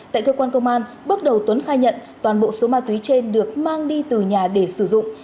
tại cơ quan công an bước đầu tuấn khai nhận toàn bộ số ma túy trên được mang đi từ nhà để sử dụng